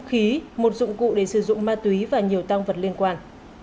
khí một dụng cụ để sử dụng ma túy và nhiều tăng vật liên quan